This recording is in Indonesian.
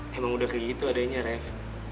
emang udah kayak gitu adanya ref